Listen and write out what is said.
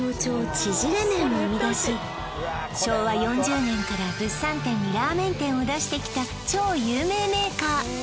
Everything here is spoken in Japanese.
ちぢれ麺を生み出し昭和４０年から物産展にラーメン店を出してきた超有名メーカー